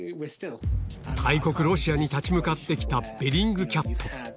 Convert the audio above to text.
大国、ロシアに立ち向かってきたベリングキャット。